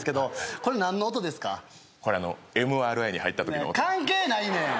これあのＭＲＩに入った時の関係ないねん！